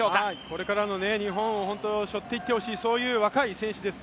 これからの日本を背負っていってほしい若い選手です。